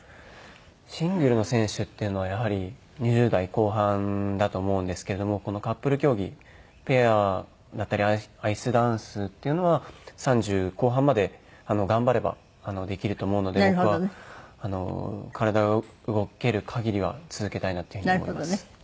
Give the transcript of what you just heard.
シングルの選手っていうのはやはり２０代後半だと思うんですけれどもこのカップル競技ペアだったりアイスダンスっていうのは３０後半まで頑張ればできると思うので僕は体が動けるかぎりは続けたいなっていうふうに思います。